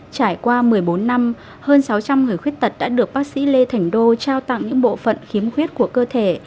trải qua một mươi bốn năm hơn sáu trăm linh người khuyết tật đã được bác sĩ lê thành đô trao tặng những bộ phận khiếm khuyết của cơ thể